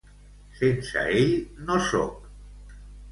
Sense ell no soc.